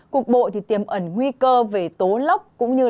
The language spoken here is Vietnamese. cục bộ thì tiềm ẩn nguy cơ về tố lốc